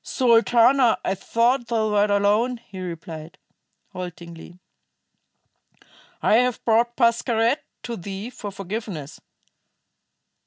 "Sultana, I thought thou wert alone," he replied, haltingly. "I have brought Pascherette to thee for forgiveness."